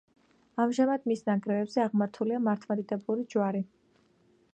ამჟამად მის ნანგრევებზე აღმართულია მართლმადიდებლური ჯვარი.